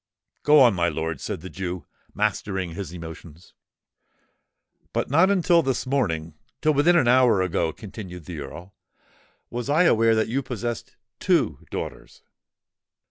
"Go on, my lord," said the Jew, mastering his emotions. "But not until this morning—till within an hour ago," continued the Earl, "was I aware that you possessed two daughters.